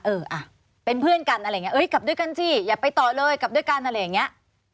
เอออ่ะเป็นเพื่อนกันอะไรอย่างนี้เอ้ยกลับด้วยกันสิอย่าไปต่อเลยกลับด้วยกันอะไรอย่างนี้